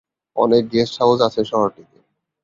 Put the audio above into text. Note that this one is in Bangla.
অনেক গেস্ট হাউস আছে শহরটিতে।